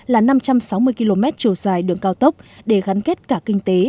là năm trăm sáu mươi km chiều dài đường cao tốc để gắn kết cả kinh tế